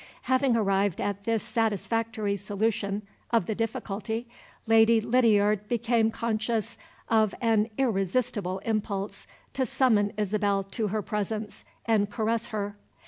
Having arrived at this satisfactory solution of the difficulty, Lady Lydiard became conscious of an irresistible impulse to summon Isabel to her presence and caress her.